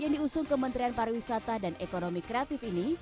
yang diusung kementerian pariwisata dan ekonomi kreatif ini